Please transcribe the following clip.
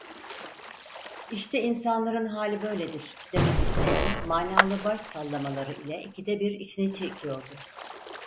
"İşte insanların hali böyledir!" demek isteyen manalı baş sallamaları ile ikide bir içini çekiyordu.